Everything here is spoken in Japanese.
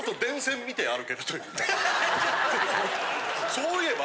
そういえば。